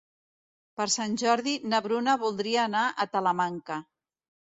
Per Sant Jordi na Bruna voldria anar a Talamanca.